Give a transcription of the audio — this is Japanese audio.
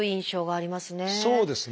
そうですね。